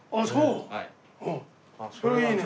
それはいいね。